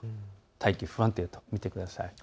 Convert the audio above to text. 大気不安定と見てください。